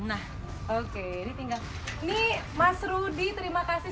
hai nah oke ini tinggal nih mas rudy terima kasih